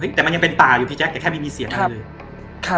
เฮ้ยแต่มันยังเป็นป่าอยู่พี่แจ๊คแต่แค่ไม่มีเสียงมันเลยครับ